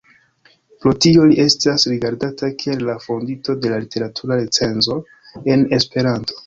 Pro tio li estas rigardata kiel la fondinto de la literatura recenzo en Esperanto.